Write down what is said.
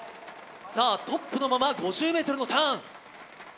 トップのまま５０ｍのターン。